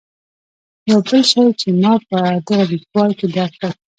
یو بل شی چې ما په دغه لیکوال کې درک کړ.